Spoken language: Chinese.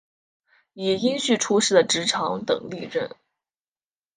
以荫叙出仕的直长等历任。